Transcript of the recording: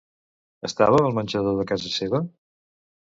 Estava al menjador de casa seva?